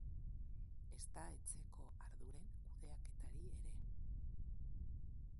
Ezta etxeko arduren kudeaketari ere.